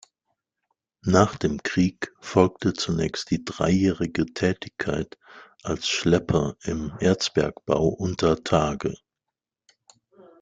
Nach dem Krieg folgte zunächst die dreijährige Tätigkeit als Schlepper im Erzbergbau unter Tage.